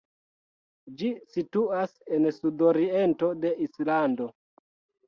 Ĝi situas en sudoriento de Islando.